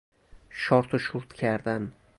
شارت و شورت کردن